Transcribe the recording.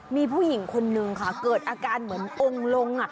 มีผู้หญิงคนนึงค่ะเกิดอาการเหมือนองค์ลง